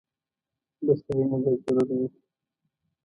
د ستایني به ضرور و